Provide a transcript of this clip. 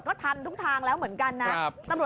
ลงล่างรถไฟมาครับลงล่างรถไฟมาครับลงล่างรถไฟมาครับ